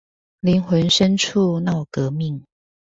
靈魂深處鬧革命